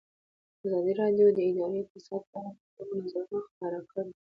ازادي راډیو د اداري فساد په اړه د خلکو نظرونه خپاره کړي.